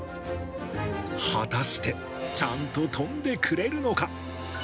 果たして、ちゃんと飛んでくれるのか？